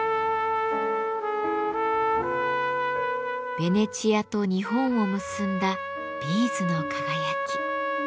ベネチアと日本を結んだビーズの輝き。